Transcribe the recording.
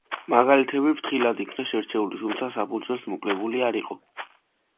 მაგალითები ფრთხილად იქნა შერჩეული, თუმცა საფუძველს მოკლებული არ იყო.